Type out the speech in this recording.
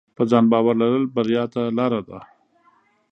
په ځان باور لرل بریا ته لار ده.